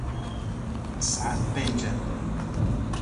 Saet pênc e.